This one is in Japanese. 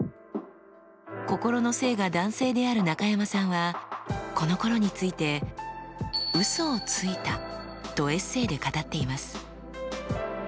心の性が男性である中山さんはこのころについて「嘘をついた」とエッセーで語っています。